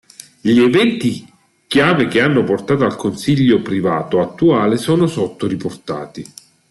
Gli eventi chiave che hanno portato al Consiglio privato attuale sono sotto riportati.